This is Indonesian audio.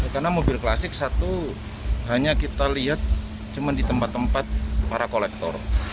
karena mobil klasik satu hanya kita lihat cuma di tempat tempat para kolektor